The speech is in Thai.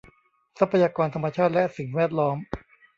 ทรัพยากรธรรมชาติและสิ่งแวดล้อม